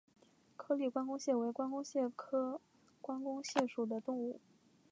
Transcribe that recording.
颗粒关公蟹为关公蟹科关公蟹属的动物。